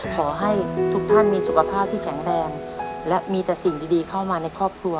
ขอให้ทุกท่านมีสุขภาพที่แข็งแรงและมีแต่สิ่งดีเข้ามาในครอบครัว